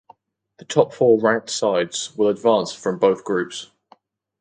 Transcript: The top four ranked sides will advance from both groups.